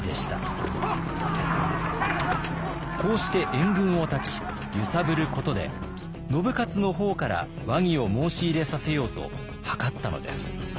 こうして援軍を断ち揺さぶることで信雄の方から和議を申し入れさせようと謀ったのです。